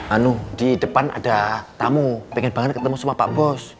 anu di depan ada tamu pengen banget ketemu sama pak bos